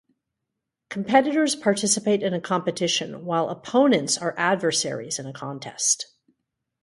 Competitors participate in a competition, while opponents are adversaries in a contest.